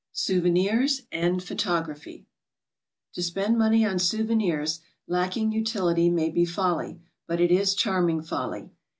SOUVENIRS AND PHOTOGRAPHY. To spend money on souvenirs lacking utility may be folly, but it is charming folly.